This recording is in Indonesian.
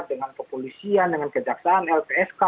dengan kepolisian dengan kejaksaan lpsk